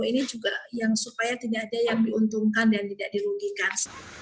ini juga yang supaya tidak ada yang diuntungkan dan tidak dirugikan